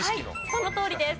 そのとおりです。